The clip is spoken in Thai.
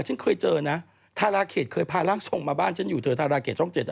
ฉันเคยเจอนะทาราเขตเคยพาร่างทรงมาบ้านฉันอยู่เธอทาราเขตช่อง๗